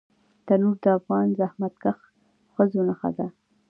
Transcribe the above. تنور د افغان زحمتکښ ښځو نښه ده